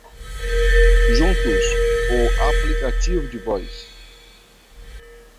Juntos, o aplicativo de voz